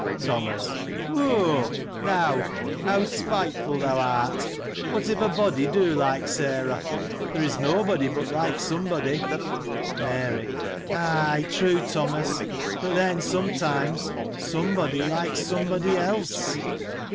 Thomas. — Whoo !— now !— How spiteful thou art ! What if a body do like Sarah ? There is nobody, but likes sombody. Mary. — Ay, true, Thomas : but then, sometimes, somebody likes somebody else.